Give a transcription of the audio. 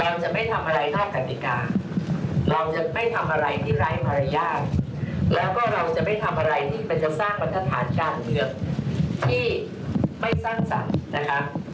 เราจะไม่ทำอะไรตามกติกาเราจะไม่ทำอะไรที่ไร้มารยาทแล้วก็เราจะไม่ทำอะไรที่มันจะสร้างบรรทฐานการเมืองที่ไม่สร้างสรรค์นะคะ